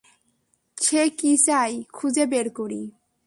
সে কী চায়, খুঁজে বের করি।